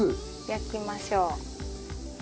焼きましょう。